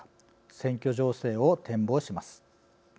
選挙情勢を展望します。